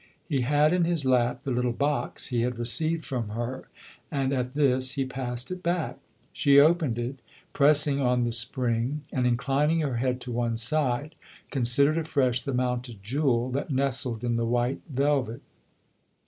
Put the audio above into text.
He had in his lap the little box he had received from her, and at this he passed it back. She opened it, pressing on the spring, and, inclining her head to one side, considered afresh the mounted jewel that nestled in the white velvet.